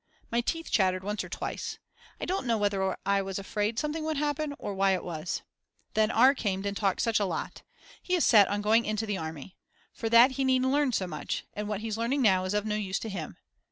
My teeth chattered once or twice, I don't know whether I was afraid something would happen or why it was. Then R. came and talked such a lot. He is set on going into the army. For that he needn't learn so much, and what he's learning now is of no use to him.